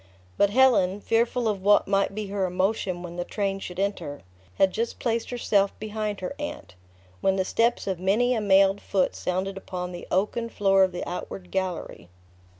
But Helen, fearful of what might be her emotion when the train should enter, had just placed herself behind her aunt, when the steps of many a mailed foot sounded upon the oaken floor of the outward gallery.